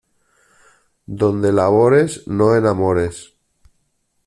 Donde labores no enamores.